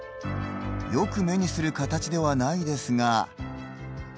よく目にする形ではないですが。